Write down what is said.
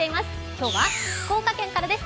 今日は福岡県からです。